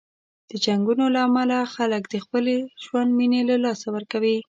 د جنګونو له امله خلک د خپل ژوند مینې له لاسه ورکوي.